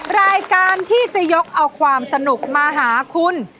รายการที่จะยกเอาความสนุกมาหาคุณ